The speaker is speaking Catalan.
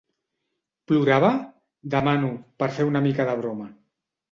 Plorava? —demano, per fer una mica de broma.